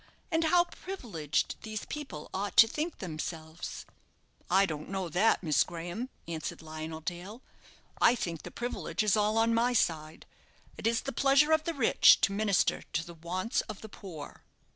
and how privileged these people ought to think themselves!" "I don't know that, Miss Graham," answered Lionel Dale. "I think the privilege is all on my side. It is the pleasure of the rich to minister to the wants of the poor."